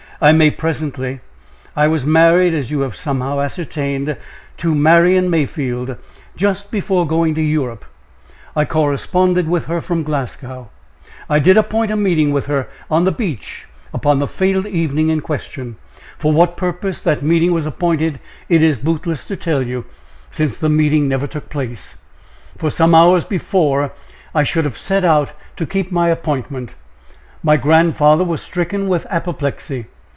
I may presently. I was married, as you have somehow ascertained, to Marian Mayfield, just before going to Europe. I corresponded with her from Glasgow. I did appoint a meeting with her on the beach, upon the fatal evening in question for what purpose that meeting was appointed, it is bootless to tell you, since the meeting never took place for some hours before I should have set out to keep my appointment, my grandfather was stricken with apoplexy.